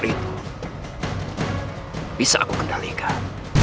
itu bisa aku kendalikan